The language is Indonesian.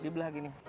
di belah gini